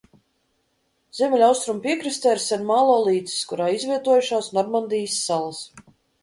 Ziemeļaustrumu piekrastē ir Senmalo līcis, kurā izvietojušās Normandijas salas.